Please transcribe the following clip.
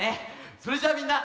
それじゃあみんな！